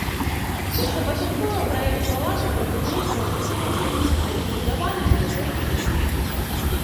Першапачаткова праект палаца прадугледжваў чатыры вежы, але пабудавана было толькі тры.